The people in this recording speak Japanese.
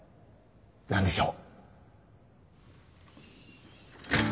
何でしょう？